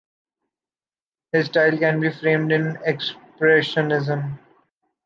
His style can be framed in expressionism.